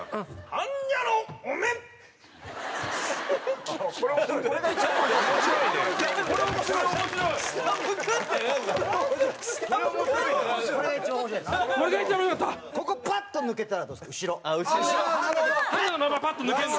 般若のままパッと抜けるの？